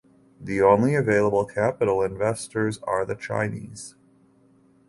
The only available capital investors are the Chinese.